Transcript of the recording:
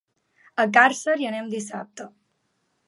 A Càrcer hi anem dissabte.